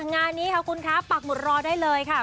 งานนี้ค่ะคุณคะปักหมุดรอได้เลยค่ะ